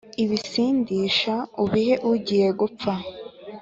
ibisindisha ubihe ugiye gupfa,